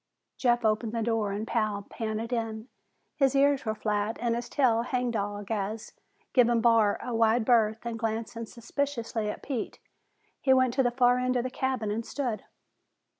Jeff opened the door and Pal panted in. His ears were flat and his tail hang dog as, giving Barr a wide berth and glancing suspiciously at Pete, he went to the far end of the cabin and stood.